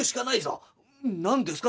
「何ですか？